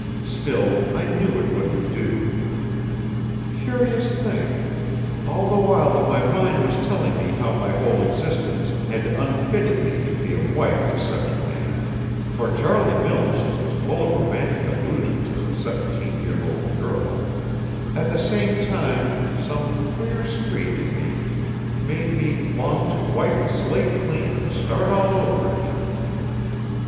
Still, I knew it wouldn't do. Curious thing all the while that my mind was telling me how my whole existence had unfitted me to be a wife to such a man for Charlie Mills is as full of romantic illusions as a seventeen year old girl at the same time some queer streak in me made me long to wipe the slate clean and start all over again.